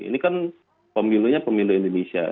ini kan pemilunya pemilu indonesia